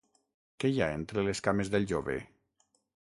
Què hi ha entre les cames del jove?